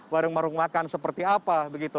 warung warung makan seperti apa begitu